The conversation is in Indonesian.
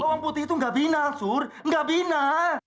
orang putih itu gak bina sur gak bina